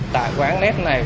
tại quán internet này